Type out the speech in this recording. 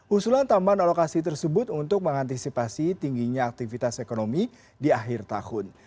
usulan tambahan alokasi tersebut untuk mengantisipasi tingginya aktivitas ekonomi di akhir tahun